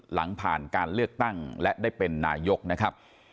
หลังผ่านการเลือกตั้งและได้เป็นนายกนะครับ